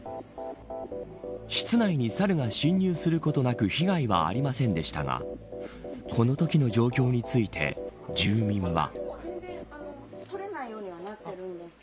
室内にサルが侵入することなく被害はありませんでしたがこのときの状況について住民は。